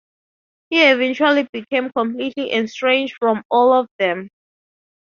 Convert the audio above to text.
He eventually became completely estranged from all of them.